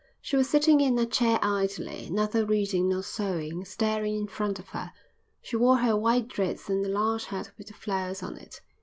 She was sitting in a chair idly, neither reading nor sewing, staring in front of her. She wore her white dress and the large hat with the flowers on it.